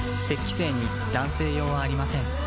精に男性用はありません